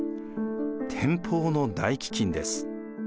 天保の大飢饉です。